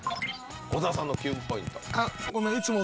小沢さんのキュンポイント。